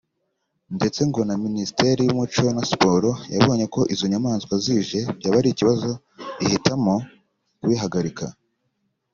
ndetse ngo na Minisiteri y’Umuco na Siporo yabonye ko izo nyamaswa zije byaba ari ikibazo ihitamo kubihagarika